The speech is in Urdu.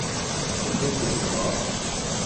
محبت کے سوا۔